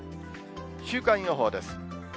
週間予報です。